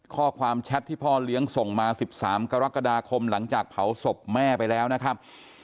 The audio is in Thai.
แชทที่พ่อเลี้ยงส่งมา๑๓กรกฎาคมหลังจากเผาศพแม่ไปแล้วนะครับ